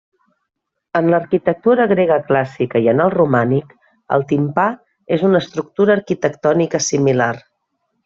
En l'arquitectura grega clàssica i en el romànic, el timpà és una estructura arquitectònica similar.